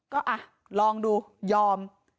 ก็อ่ะลองดูยอม